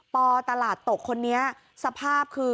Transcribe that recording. ปตลาดตกคนนี้สภาพคือ